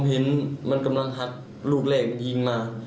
เห็นมันกำลังหักลูกแรกยิงมา